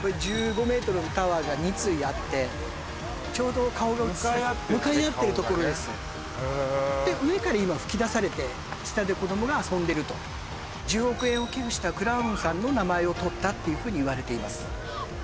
１５ｍのタワーが二対あってちょうど顔が向かい合ってるのね顔がねへえ向かい合ってるところですで上から今噴き出されて下で子どもが遊んでると１０億円を寄付したクラウンさんの名前をとったっていうふうにいわれています